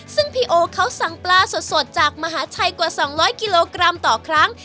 ซึ่งพี่โอเขาสั่งปลาสดจากมหาชัยกว่า๒๐๐กิโลกรัมต่อครั้ง